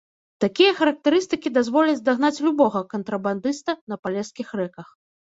Такія характарыстыкі дазволяць дагнаць любога кантрабандыста на палескіх рэках.